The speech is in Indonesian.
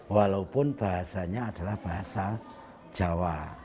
walaupun bahasanya adalah bahasa jawa